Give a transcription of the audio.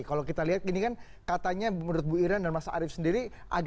kalau kita lihat gini kan katanya menurut bu iran dan mas arief sendiri